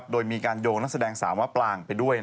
โดยมีการโยงนักแสดงสาวมะปลางไปด้วย